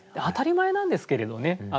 当たり前なんですけれどね。